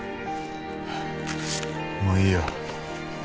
もういいよ。